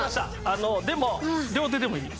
あのでも両手でもいいです。